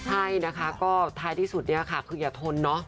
ใช่นะคะก็ท้ายที่สุดคืออย่าทนเนอะ